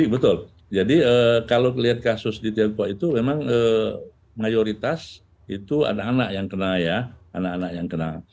betul jadi kalau lihat kasus di tiongkok itu memang mayoritas itu anak anak yang kena ya